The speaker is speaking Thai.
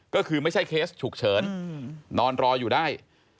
ก็คือไม่ใช่เคสฉุกเฉินนอนรออยู่ได้